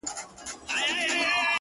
o زه څوک لرمه؛